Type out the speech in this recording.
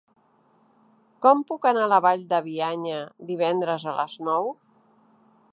Com puc anar a la Vall de Bianya divendres a les nou?